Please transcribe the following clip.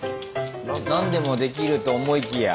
なんでもできると思いきや。